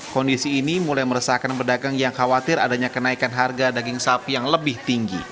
kondisi ini mulai meresahkan pedagang yang khawatir adanya kenaikan harga daging sapi yang lebih tinggi